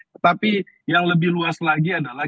tetapi yang lebih luas lagi adalah